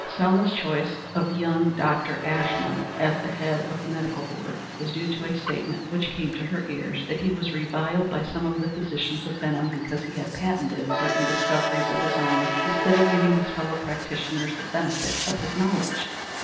Selma's choice of young Dr. Ashmun as the head of the medical board was due to a statement which came to her ears, that he was reviled by some of the physicians of Benham because he had patented certain discoveries of his own instead of giving his fellow practitioners the benefit of his knowledge.